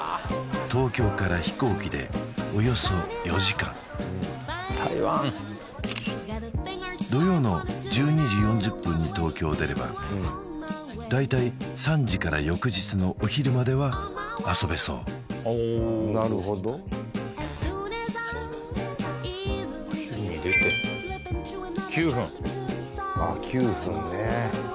東京から飛行機でおよそ４時間土曜の１２時４０分に東京を出れば大体３時から翌日のお昼までは遊べそうおおなるほど九あっ九ね